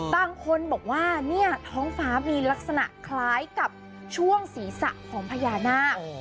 บางคนบอกว่าเนี่ยท้องฟ้ามีลักษณะคล้ายกับช่วงศีรษะของพญานาค